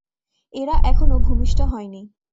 এরা এখনো ভূমিষ্ঠ হয়নি।